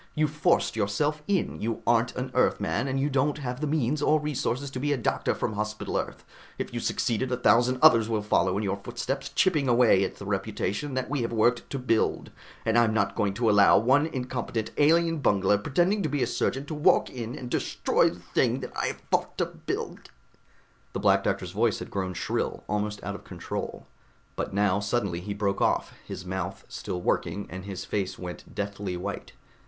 You forced yourself in, you aren't an Earthman and you don't have the means or resources to be a doctor from Hospital Earth. If you succeed, a thousand others will follow in your footsteps, chipping away at the reputation that we have worked to build, and I'm not going to allow one incompetent alien bungler pretending to be a surgeon to walk in and destroy the thing I've fought to build " The Black Doctor's voice had grown shrill, almost out of control. But now suddenly he broke off, his mouth still working, and his face went deathly white.